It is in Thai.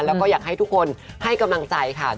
แล้วก็อยากให้ทุกคนให้กำลังใจค่ะ